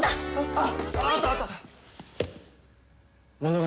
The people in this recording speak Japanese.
あっ！